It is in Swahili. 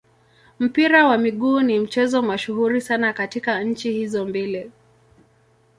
Mpira wa miguu ni mchezo mashuhuri sana katika nchi hizo mbili.